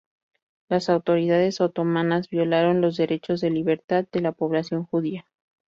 Las autoridades otomanas violaron los derechos de libertad de la población judía.